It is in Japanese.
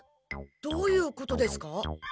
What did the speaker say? どういうことですか？